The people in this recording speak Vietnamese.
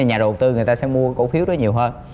nhà đầu tư người ta sẽ mua cổ phiếu đó nhiều hơn